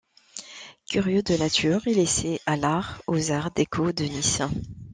Curieux de nature, il s'essaie à l'Art aux arts déco de Nice.